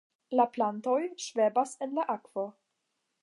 La plantoj ŝvebas en la akvo.